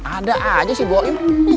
ada aja sih gue